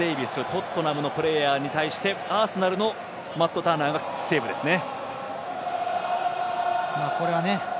トットナムのプレーヤーに対してアーセナルのマット・ターナーがファインセーブですね。